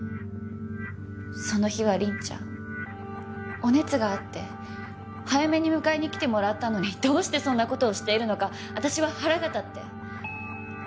その日は凛ちゃんお熱があって早めに迎えに来てもらったのにどうしてそんな事をしているのか私は腹が立って。